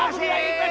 aku tidak dream